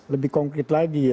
lebih konkret lagi ya